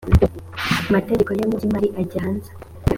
amategeko yo mu by imari ajya hanze